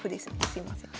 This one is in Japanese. すいません。